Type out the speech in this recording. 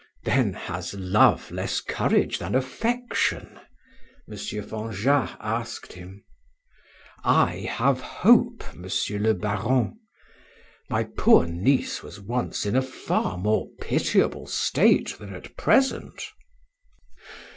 "Then has love less courage than affection?" M. Fanjat asked him. "I have hope, Monsieur le Baron. My poor niece was once in a far more pitiable state than at present."